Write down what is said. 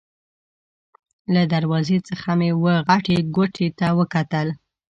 له دروازې څخه مې وه غټې کوټې ته وکتل.